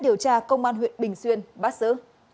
điều tra công an huyện bình xuyên bắt xử